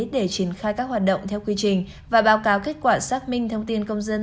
để triển khai các hoạt động theo quy trình và báo cáo kết quả xác minh thông tin công dân